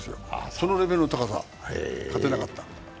そのレベルの高さ、勝てなかった。